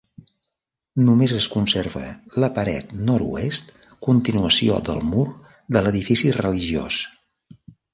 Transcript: Només es conserva la paret nord-oest, continuació del mur de l'edifici religiós.